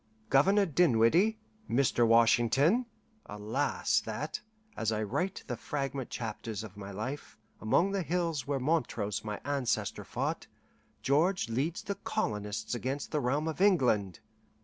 Governor Dinwiddie, Mr. Washington (alas that, as I write the fragment chapters of my life, among the hills where Montrose my ancestor fought, George leads the colonists against the realm of England!)